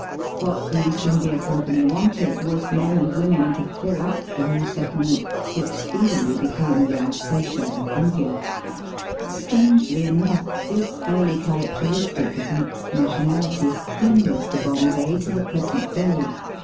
What the East India Company wanted was men and women to fill up the new settlement, which speedily became the Alsatia of India. Strangely enough, this early characteristia of mixed nationality clings to Bombay to the Digitized by VjOOQIC THE LIVEBPOOL OF INDIA. 171 present day.